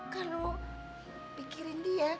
kalau pikirin dia